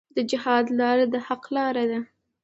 د جهاد لاره د حق لاره ده.